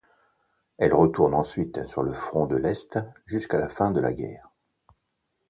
Elle retourne ensuite sur le front de l'Est jusqu'à la fin de la guerre.